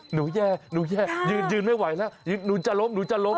หนูแย่ยืนไม่ไหวแล้วหนูจะล้ม